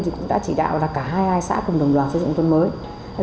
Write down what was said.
thì cũng đã chỉ đạo là cả hai hai xã cùng đồng loạt xây dựng nông thôn mới